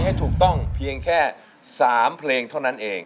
ให้ถูกต้องเพียงแค่๓เพลงเท่านั้นเอง